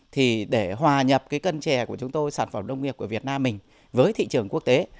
thì để hòa nhập cái cân chè của chúng tôi sản phẩm nông nghiệp của việt nam mình với thị trường quốc tế